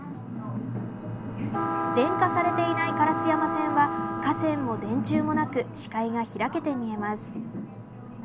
電化されていない烏山線は架線も電柱もなく視界が開けて見えます。